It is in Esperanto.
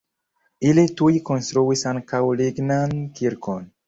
Ili tuj konstruis ankaŭ lignan kirkon.